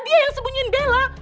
dia yang sembunyiin bella